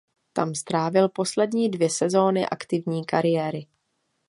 Tam strávil poslední dvě sezóny aktivní kariéry.